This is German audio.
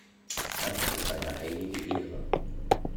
Das ist eine heilige Ehre.